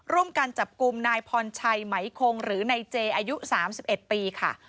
ร่วมกันจับกลุ่มนายพรชัยไหมคงหรือนายเจอายุ๓๑ปีค่ะ